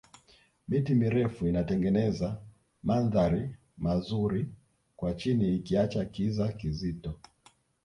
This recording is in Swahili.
miti mirefu inatengeneza mandhari mazuri kwa chini ikiacha kiza kizito